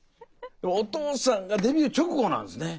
お父さんがデビュー直後なんですね